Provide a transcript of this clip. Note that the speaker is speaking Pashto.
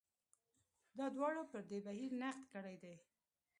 دا دواړو پر دې بهیر نقد کړی دی.